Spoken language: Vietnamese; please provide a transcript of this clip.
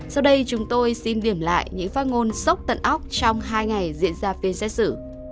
sau đây chúng tôi xin điểm lại những phát ngôn sốc tận óc trong hai ngày diễn ra phiên xét xử